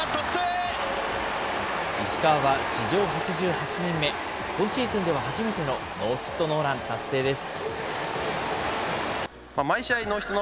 石川は史上８８人目、今シーズンでは初めてのノーヒットノーラン達成です。